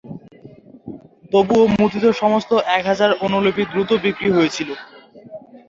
তবুও, মুদ্রিত সমস্ত এক হাজার অনুলিপি দ্রুত বিক্রি হয়েছিল।